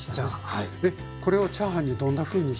えこれをチャーハンにどんなふうにして？